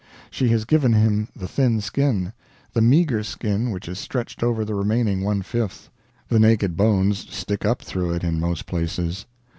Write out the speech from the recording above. She has given him the thin skin, the meagre skin which is stretched over the remaining one fifth the naked bones stick up through it in most places.